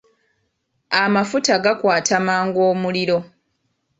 Amafuta gakwata mangu omuliro.